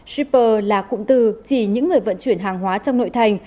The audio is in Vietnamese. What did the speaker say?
shipper là cụm từ chỉ những người vận chuyển hàng hóa trong nội thành